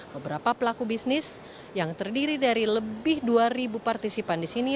beberapa pelaku bisnis yang terdiri dari lebih dua partisipan di sini